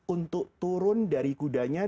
untuk turun dari kudanya